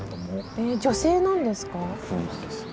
えっ女性なんですか？